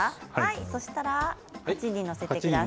そうしたら鉢に載せてください。